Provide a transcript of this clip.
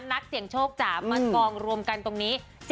นักเสี่ยงโชคจ๋ามากองรวมกันตรงนี้